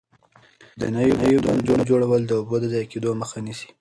د نويو بندونو جوړول د اوبو د ضایع کېدو مخه نیسي.